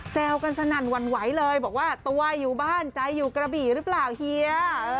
แซวกันสนั่นหวั่นไหวเลยบอกว่าตัวอยู่บ้านใจอยู่กระบี่หรือเปล่าเฮีย